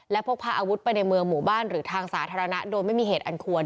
และพกพาอาวุธไปในเมืองหมู่บ้านหรือทางสาธารณะโดยไม่มีเหตุอันควร